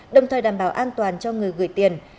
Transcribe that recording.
đồng thời đảm bảo an toàn cho người gửi tiền